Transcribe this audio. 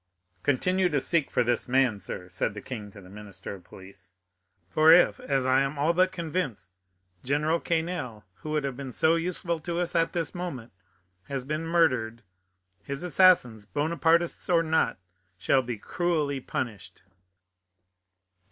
"Continue to seek for this man, sir," said the king to the minister of police; "for if, as I am all but convinced, General Quesnel, who would have been so useful to us at this moment, has been murdered, his assassins, Bonapartists or not, shall be cruelly punished."